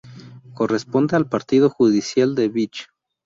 Corresponde al partido judicial de Vich.